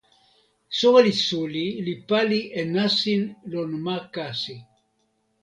soweli suli li pali e nasin lon ma kasi.